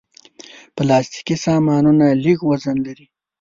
پلاستيکي سامانونه لږ وزن لري.